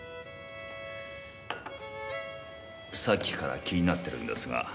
さっきから気になってるんですが。